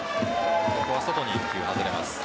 ここは外に１球、外れます。